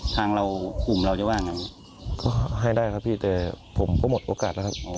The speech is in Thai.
จะให้ได้ครับพี่เจ๊ผมก็หมดโอกาสนะครับ